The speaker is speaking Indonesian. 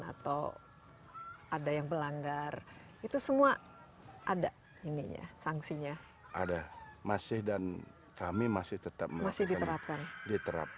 atau ada yang berlanggar itu semua ada ini ya sangsinya ada masih dan kami masih tetap masih